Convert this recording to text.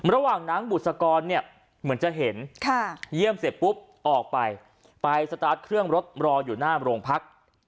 ระหว่างนั้นบุษกรเนี่ยเหมือนจะเห็นเยี่ยมเสร็จปุ๊บออกไปไปสตาร์ทเครื่องรถรออยู่หน้าโรงพัก